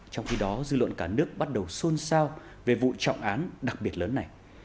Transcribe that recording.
trong khi đó dư luận cả nước bắt đầu xôn xao về vụ trọng án đặc biệt lớn này